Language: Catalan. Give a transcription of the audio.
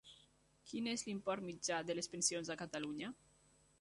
Quin és l'import mitjà de les pensions a Catalunya?